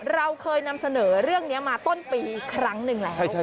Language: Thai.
เราเคยนำเสนอเรื่องนี้มาต้นปีครั้งหนึ่งแล้ว